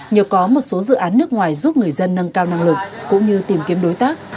nhờ có một số dự án nước ngoài giúp người dân nâng cao năng lực cũng như tìm kiếm đối tác